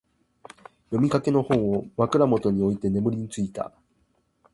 読みかけの本を、枕元に置いて眠りについた。